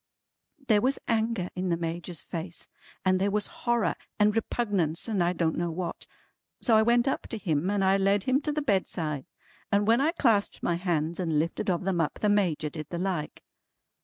There was anger in the Major's face, and there was horror and repugnance and I don't know what. So I went up to him and I led him to the bedside, and when I clasped my hands and lifted of them up, the Major did the like.